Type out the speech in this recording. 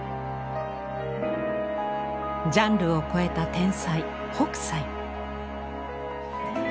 ジャンルを超えた天才北斎。